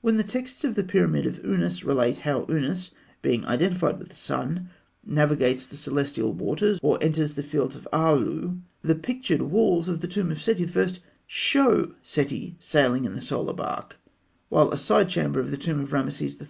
Where the texts of the pyramid of Ûnas relate how Ûnas, being identified with the sun, navigates the celestial waters or enters the Fields of Aalû, the pictured walls of the tomb of Seti I. show Seti sailing in the solar bark, while a side chamber in the tomb of Rameses III.